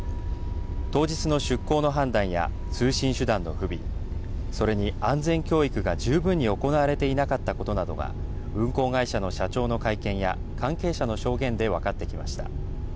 当日の出航の判断や通信手段の不備、それに安全教育が十分に行われていなかったことなどが運航会社の社長の会見や関係者の証言で分かってきました。